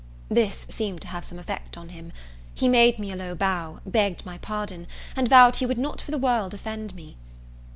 This seemed to have some effect on him. He made me a low bow, begged my pardon, and vowed he would not for the world offend me.